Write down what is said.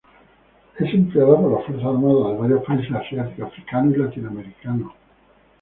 Es empleada por las fuerzas armadas de varios países asiáticos, africanos y latinoamericanos.